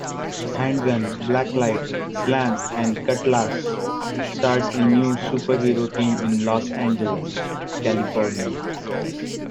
Handgunn, Blacklight, Slam and Cutlass start a new super-hero team in Los Angeles, California.